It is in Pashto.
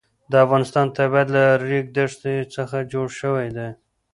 د افغانستان طبیعت له د ریګ دښتې څخه جوړ شوی دی.